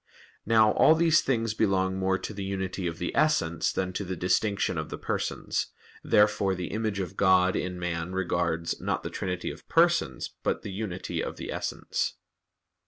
Now all these things belong more to the unity of the Essence than to the distinction of the Persons. Therefore the image of God in man regards, not the Trinity of Persons, but the unity of the Essence.